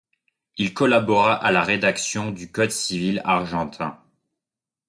Il collabora à la rédaction du code civil argentin.